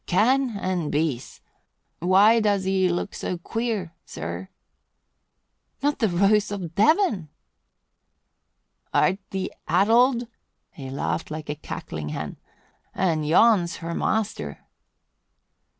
"Can and beës. Why does 'ee look so queer, sir?" "Not the Rose of Devon!" "Art 'ee addled?" He laughed like a cackling hen. "Aye, an' yon's her master."